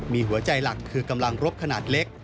มีหัวใจหลักคือกำลังรบขนาดเล็ก